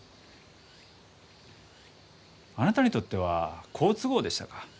あなたにとっては好都合でしたか？